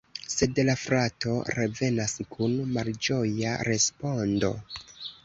Sed la frato revenas kun malĝoja respondo.